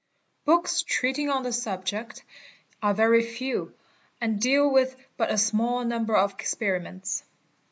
Books treating on the subject are very few and deal with but a small number of experiments.